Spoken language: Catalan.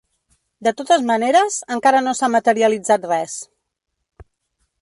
De totes maneres, encara no s’ha materialitzat res.